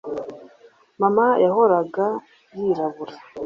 Mama yahoraga yirabura